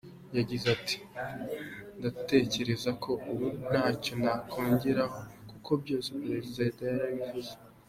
Yagize ati “Ndatekereza ko ubu ntacyo nakongeraho kuko byose Perezida yabivuze.